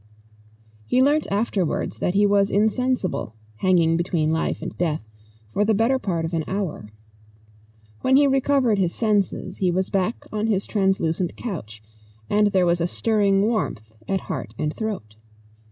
He learnt afterwards that he was insensible, hanging between life and death, for the better part of an hour. When he recovered his senses, he was back on his translucent couch, and there was a stirring warmth at heart and throat.